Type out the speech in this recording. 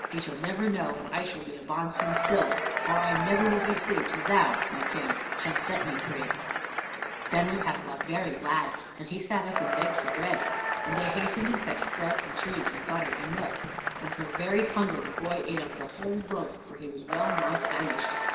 He shall never know, and I shall be a bondsman still, for I will never be free till thou, my King, shall set me free." Then was Havelok very glad, and he sat up and begged for bread. And they hastened and fetched bread and cheese and butter and milk; and for very hunger the boy ate up the whole loaf, for he was well nigh famished.